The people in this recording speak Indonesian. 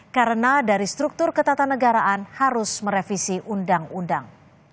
karena dari struktur ketatanegaraan harus merevisi undang undang